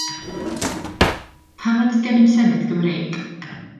Pam nad oedd gennym senedd Gymreig?